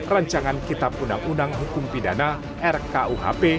rancangan kitab undang undang hukum pidana rkuhp